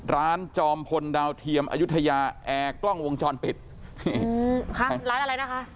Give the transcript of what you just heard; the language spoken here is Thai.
จอมพลดาวเทียมอายุทยาแอร์กล้องวงจรปิดค่ะร้านอะไรนะคะ